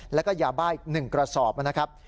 แล้วก็ยาบ้าอีก๑กระสอบนะครับ